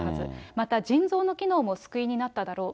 また腎臓の機能も救いになっただろう。